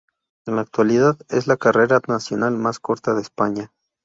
En la actualidad es la carretera nacional más corta de España.